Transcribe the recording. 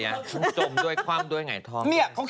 จมด้วยคว่ำด้วยหงายท้อง